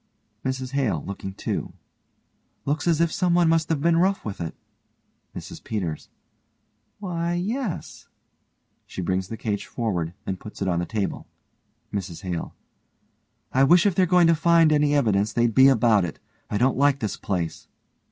MRS HALE: (looking too) Looks as if someone must have been rough with it. MRS PETERS: Why, yes. (She brings the cage forward and puts it on the table.) MRS HALE: I wish if they're going to find any evidence they'd be about it. I don't like this place.